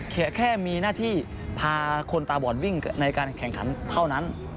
แค่มีหน้าที่พาคนตาบอดวิ่งในการแข่งขันเท่านั้น